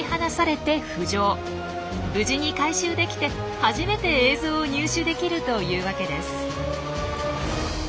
無事に回収できて初めて映像を入手できるというわけです。